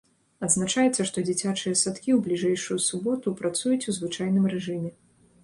Адзначаецца, што дзіцячыя садкі ў бліжэйшую суботу працуюць у звычайным рэжыме.